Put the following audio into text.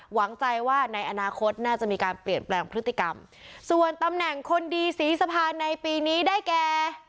หวังใจว่าในอนาคตน่าจะมีการเปลี่ยนแปลงพฤติกรรมส่วนตำแหน่งคนดีศรีสะพานในปีนี้ได้แก่